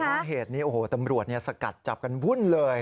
เพราะเหตุนี้โอ้โหตำรวจสกัดจับกันวุ่นเลย